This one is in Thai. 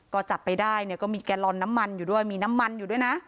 ก็จับไปได้เนี่ยก็มีแกลลอนน้ำมันอยู่ด้วยมีน้ำมันอยู่ด้วยนะ